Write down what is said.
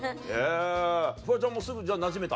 フワちゃんもすぐなじめた？